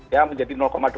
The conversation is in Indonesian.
ya menjadi dua puluh enam